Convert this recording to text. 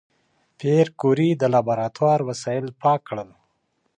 پېیر کوري د لابراتوار وسایل پاک کړل.